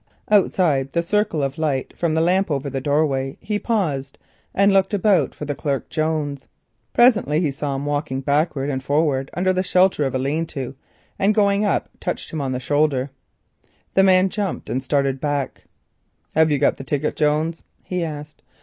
Outside the circle of light from a lamp over the doorway he paused, and looked about for the clerk Jones. Presently, he saw him walking backwards and forwards under the shelter of a lean to, and going up, touched him on the shoulder. The man started back. "Have you got the ticket, Jones?" he asked.